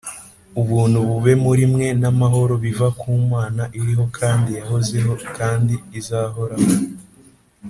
Ubuntu bube muri mwe n’amahoro biva ku Mana iriho kandi yahozeho kandi izahoraho,